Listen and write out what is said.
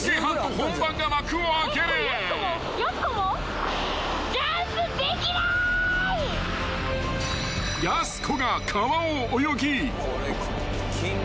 ［やす子が川を泳ぎ］